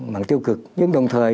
mạng tiêu cực nhưng đồng thời